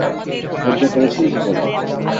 সহ্য করেছিলে কী করে?